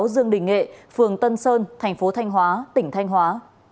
dương đình nghệ phường tân sơn thành phố thanh hóa tỉnh thanh hóa